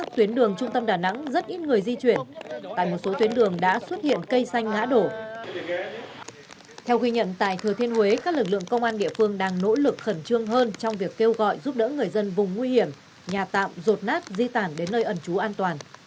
thưa thưa thiên huế các lực lượng công an địa phương đang nỗ lực khẩn trương hơn trong việc kêu gọi giúp đỡ người dân vùng nguy hiểm nhà tạm rột nát di tản đến nơi ẩn trú an toàn